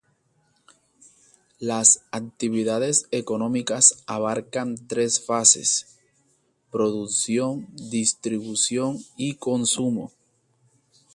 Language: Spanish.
Las actividades económicas abarcan tres fases: producción, distribución y consumo.